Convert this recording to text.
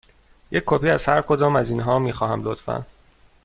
یک کپی از هر کدام از اینها می خواهم، لطفاً.